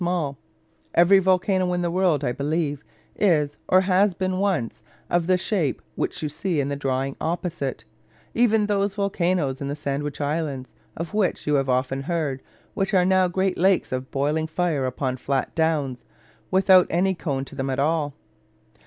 Almost every volcano in the world, I believe, is, or has been once, of the shape which you see in the drawing opposite; even those volcanos in the Sandwich Islands, of which you have often heard, which are now great lakes of boiling fire upon flat downs, without any cone to them at all.